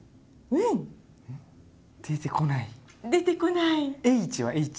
出てこない。